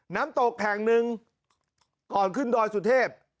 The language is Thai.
น้ำตกแห่งหนึ่งก่อนขึ้นดอยสุเทพ